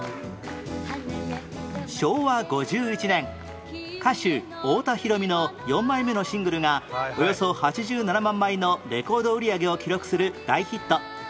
昭和５１年歌手太田裕美の４枚目のシングルがおよそ８７万枚のレコード売り上げを記録する大ヒット